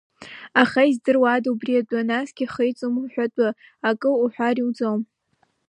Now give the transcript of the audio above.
Аха издыруам убри атәы, насгьы ихаиҵом уҳәатәы, акы уҳәар иуӡом.